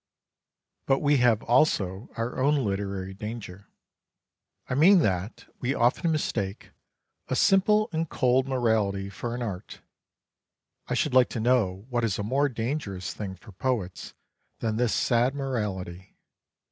But we liave also our own literary danger. I mean that xii Foreword we often mistake a simple and cold morality for an art. I should like to know what is a more dangerous thing for poets than this sad morality.